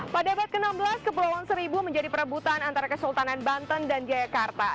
pada abad ke enam belas kepulauan seribu menjadi perebutan antara kesultanan banten dan jayakarta